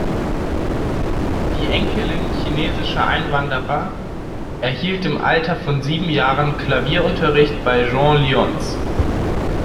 Die Enkelin chinesischer Einwanderer erhielt im Alter von sieben Jahren Klavierunterricht bei Jean Lyons.